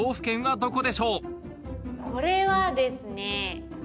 これはですね。